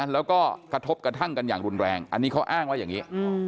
แล้วก็กระทบกระทั่งกันอย่างรุนแรงอันนี้เขาอ้างว่าอย่างนี้